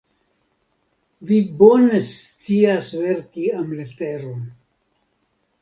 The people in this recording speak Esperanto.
Vi bone scias verki amleteron.